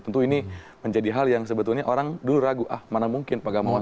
tentu ini menjadi hal yang sebetulnya orang dulu ragu ah mana mungkin pak gamawan